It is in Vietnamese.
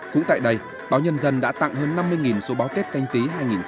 cũng tại đây báo nhân dân đã tặng hơn năm mươi số báo tết canh tí hai nghìn hai mươi